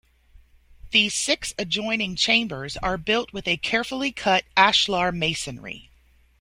These six adjoining chambers are built with a carefully cut ashlar masonry.